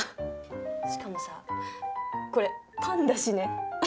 しかもさこれパンだしね。